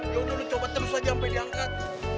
yaudah lo coba terus aja sampai diangkat